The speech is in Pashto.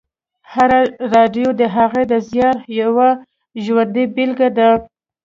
هره راډیو د هغه د زیار یوه ژوندۍ بېلګې ده